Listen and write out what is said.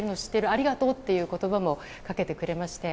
ありがとうという言葉もかけてくれまして